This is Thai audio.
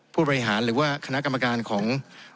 ผู้บริหารหรือว่าคณะกรรมการของ